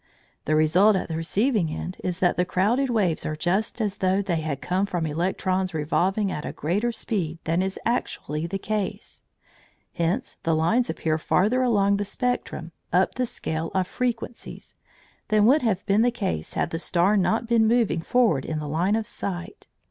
The result at the receiving end is that the crowded waves are just as though they had come from electrons revolving at a greater speed than is actually the case. Hence the line appears farther along the spectrum, up the scale of frequencies, than would have been the case had the star not been moving forward in the line of sight.